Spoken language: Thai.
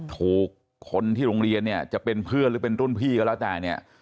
ถูกคนที่โรงเรียนเนี่ยจะเป็นเพื่อนหรือเป็นรุ่นพี่ก็แล้วแต่เนี่ย